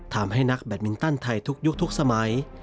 ทำให้นักแบตมินตันไทยทุกยุคทุกสมัย